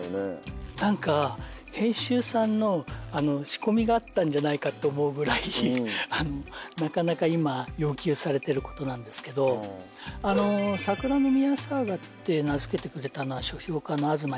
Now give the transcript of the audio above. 何か編集さんの仕込みがあったんじゃないかって思うぐらいなかなか今要求されてることなんですけど桜宮サーガって名付けてくれたのは書評家の東えりかさん。